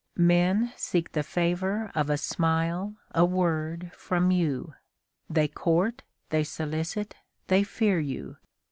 Men seek the favor of a smile, a word, from you. They court, they solicit, they fear you.